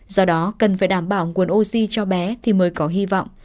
do đó cần phải đảm bảo nguồn oxy cho bé thì mới có hy vọng